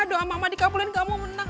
doa mama dikabulin kamu menang